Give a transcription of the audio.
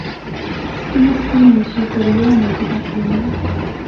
سپینې، سپینې شاپیريانې د نکلونو